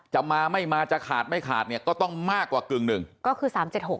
จะมาไม่มาจะขาดไม่ขาดเนี่ยก็ต้องมากกว่ากึ่งหนึ่งก็คือสามเจ็ดหก